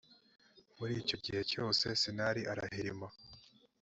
muri icyo gihe cyose sinari arahirima